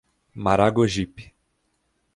Maragogipe